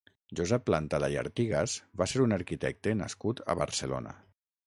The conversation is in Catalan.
Josep Plantada i Artigas va ser un arquitecte nascut a Barcelona.